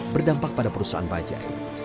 berdampak pada perusahaan bajai